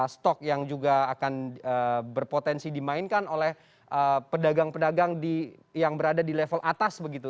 stok yang juga akan berpotensi dimainkan oleh pedagang pedagang yang berada di level atas begitu